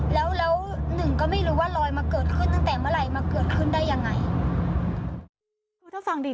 แล้วแล้วหนึ่งก็ไม่รู้ว่าลอยมาเกิดขึ้นตั้งแต่เมื่อไหร่มาเกิดขึ้นได้ยังไง